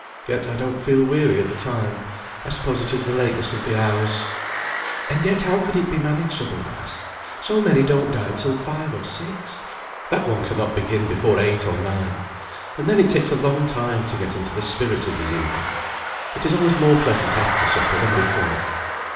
Yet I don't feel weary at the time; I suppose it is the lateness of the hours." "And yet, how could it be managed otherwise? So many don't dine till five or six, that one cannot begin before eight or nine; and then it takes a long time to get into the spirit of the evening. It is always more pleasant after supper than before."